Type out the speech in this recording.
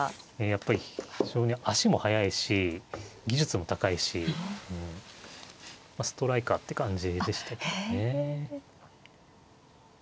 やっぱり非常に足も速いし技術も高いしまあストライカーって感じでしたけどね。